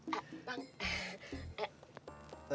bang eh eh